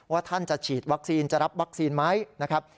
ท่านจะฉีดวัคซีนจะรับวัคซีนไหมนะครับ